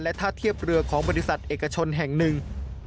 ท่าเทียบเรือของบริษัทเอกชนแห่งหนึ่ง